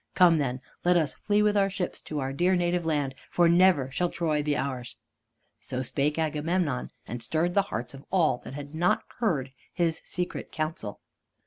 Come then, let us flee with our ships to our dear native land, for never shall Troy be ours." So spake Agamemnon, and stirred the hearts of all that had not heard his secret council.